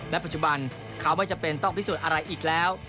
ปัจจุบันเขาไม่จำเป็นต้องพิสูจน์อะไรอีกแล้ว